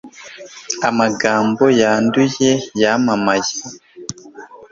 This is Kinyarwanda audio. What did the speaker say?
amagambo yanduye yamamaye